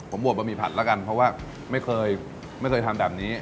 ผมบวชบะหมี่ผัดแล้วกันเพราะว่าไม่เคยไม่เคยทำแบบนี้